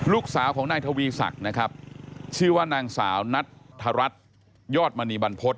ลูกสาวของนายทวีศักดิ์นะครับชื่อว่านางสาวนัทธรัฐยอดมณีบรรพฤษ